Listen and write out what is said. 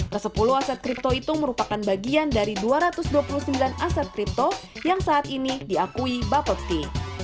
kesepuluh aset kripto itu merupakan bagian dari dua ratus dua puluh sembilan aset kripto yang saat ini diakui bubblesti